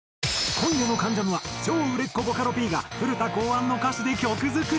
今夜の『関ジャム』は超売れっ子ボカロＰが古田考案の歌詞で曲作り！